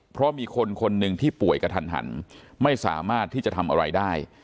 เพราะมีคนคนหนึ่งที่ป่วยกระทันหันไม่สามารถที่จะทำอะไรได้